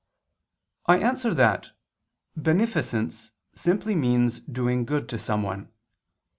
I answer that, Beneficence simply means doing good to someone.